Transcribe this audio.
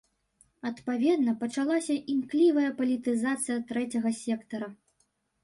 Адпаведна, пачалася імклівая палітызацыя трэцяга сектара.